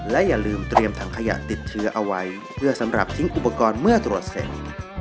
และอย่าลืมเตรียมถังขยะติดเชื้อเอาไว้เพื่อสำหรับทิ้งอุปกรณ์เมื่อตรวจเสร็จ